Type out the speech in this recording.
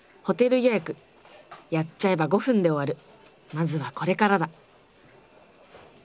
まずはこれからだ。